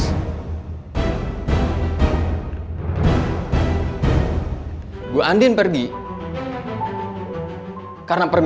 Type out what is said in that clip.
sehingga bu andi pergi meninggalkan kelas